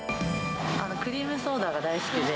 クリームソーダが大好きで。